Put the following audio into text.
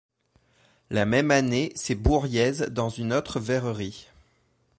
La même année c'est Bourriez dans une autre verrerie.